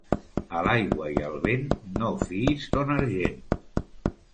A l'aigua i al vent no fiïs ton argent.